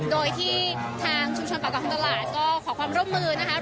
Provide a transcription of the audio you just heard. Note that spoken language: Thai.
โดยที่ทางชุมชนปากตังตลาดก็ขอความร่วมมือนะคะ